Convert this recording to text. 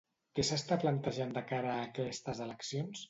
Què s'està plantejant de cara a aquestes eleccions?